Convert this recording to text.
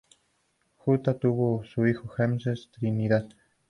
Jutta tuvo a su hijo Hannes en Trinidad.